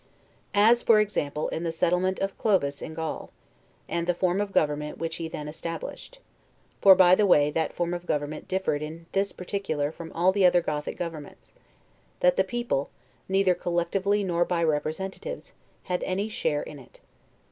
As, for example, in the settlement of Clovis in Gaul, and the form of government which he then established; for, by the way; that form of government differed in this particular from all the other Gothic governments, that the people, neither collectively nor by representatives, had any share in it.